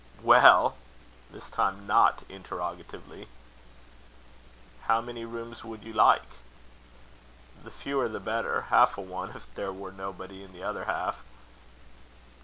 "Well!" this time not interrogatively. "How many rooms would you like?" "The fewer the better. Half a one, if there were nobody in the other half."